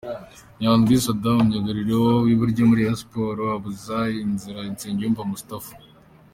Nyandwi Saddam myugariro w'iburyo muri Rayon Sports abuza inzira Nsengiyumva Moustapha.